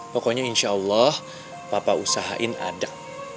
pokoknya insya allah papa usahain ada